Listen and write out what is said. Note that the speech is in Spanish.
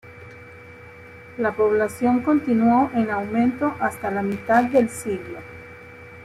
La población continuó en aumento hasta la mitad del siglo.